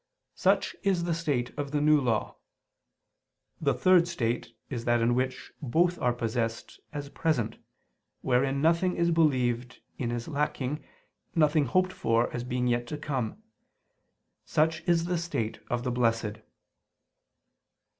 Such is the state of the New Law. The third state is that in which both are possessed as present; wherein nothing is believed in as lacking, nothing hoped for as being yet to come. Such is the state of the Blessed.